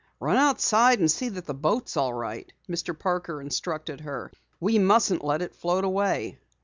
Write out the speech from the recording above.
"Run outside and see that the boat is all right," Mr. Parker instructed her. "We mustn't let it float away."